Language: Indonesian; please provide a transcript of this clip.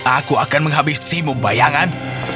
aku akan menghabisimu bayangan